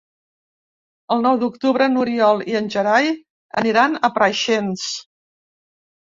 El nou d'octubre n'Oriol i en Gerai aniran a Preixens.